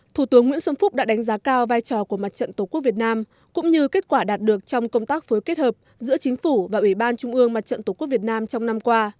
thủ tướng nguyễn xuân phúc đã đánh giá cao vai trò của mặt trận tổ quốc việt nam cũng như kết quả đạt được trong công tác phối kết hợp giữa chính phủ và ủy ban trung ương mặt trận tổ quốc việt nam trong năm qua